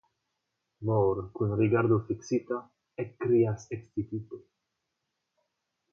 Moor kun rigardo fiksita ekkrias ekscitite.